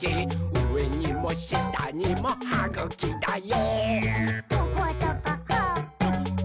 うえにもしたにもはぐきだよ！」